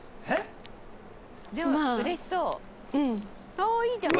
ああーいいじゃん。